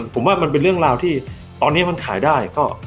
ผมว่ามันเป็นเรื่องราวที่ตอนนี้มันขายได้ก็